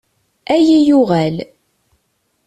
Ad iyi-yuɣal.